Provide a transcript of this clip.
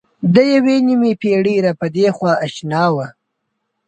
د یوې نیمې پېړۍ را پدېخوا اشنا وه.